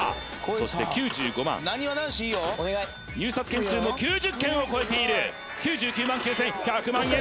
そして９５万入札件数も９０件を超えている９９万９０００１００万円